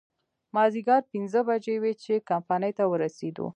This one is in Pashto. مازديګر پينځه بجې وې چې کمپنۍ ته ورسېدو.